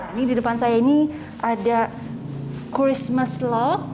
ini di depan saya ini ada christmas lock